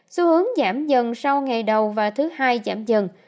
xu hướng giảm dần sau ngày đầu và thứ hai giảm dần